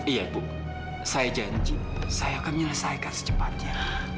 iya bu saya janji saya akan menyelesaikan secepatnya